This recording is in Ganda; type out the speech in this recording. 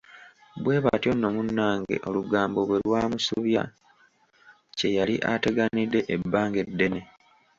Bwe batyo nno munnnange olugambo bwe lwamusubya kye yali ateganidde ebbanga eddene.